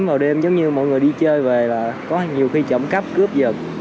vào đêm giống như mọi người đi chơi về là có nhiều khi trộm cắp cướp giật